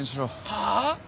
はあ？